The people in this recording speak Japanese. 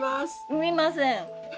産みません。